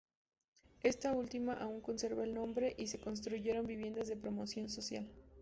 Esta última aún conserva el nombre y se construyeron viviendas de promoción social.